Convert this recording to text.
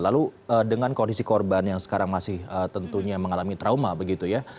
lalu dengan kondisi korban yang sekarang masih tentunya mengalami trauma begitu ya